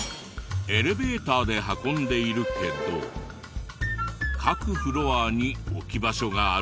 エレベーターで運んでいるけど各フロアに置き場所があるの？